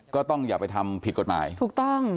ก็ต้องอย่าไปทำผิดกฎหมายถูกต้อง